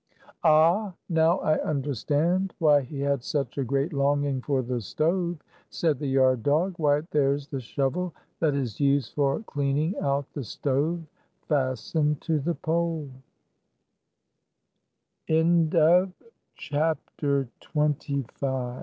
"Ah, now I understand why he had such a great longing for the stove," said the yard dog. "Why, there 's the shovel that is used for clean ing out the stove, fastened to the